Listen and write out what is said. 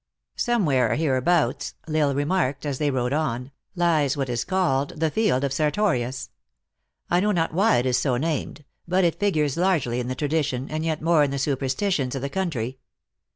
"Somewhere hereabouts," L Isle remarked, as they rode on, " lies what is called the field of Sertorius. I know not why it is so named; but it figures largely in the tradition, and yet more in the superstitions, of THE ACTRESS IN HIGH LIFE. 193 the country.